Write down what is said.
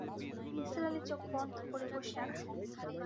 নিসার আলি চোখ বন্ধ করে বসে আছেন।